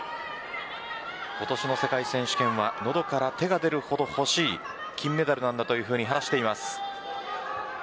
今年の世界選手権は喉から手が出るほどほしい金メダルなんだというふうに話しています。